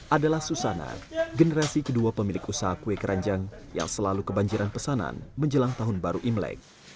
adalah susana generasi kedua pemilik usaha kue keranjang yang selalu kebanjiran pesanan menjelang tahun baru imlek